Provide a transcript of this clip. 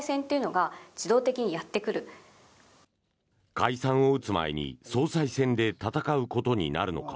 解散を打つ前に総裁選で戦うことになるのか。